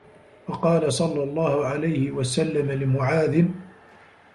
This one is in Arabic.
وَقَالَ صَلَّى اللَّهُ عَلَيْهِ وَسَلَّمَ لِمُعَاذٍ